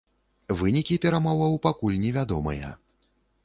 Вынікі перамоваў пакуль невядомыя.